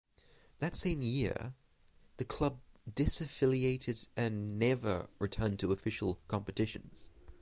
That same year the club disaffiliated and never returned to official competitions.